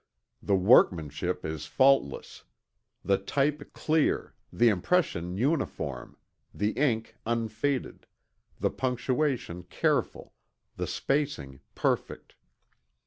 The workmanship is faultless; the type clear, the impression uniform, the ink unfaded, the punctuation careful, the spacing perfect.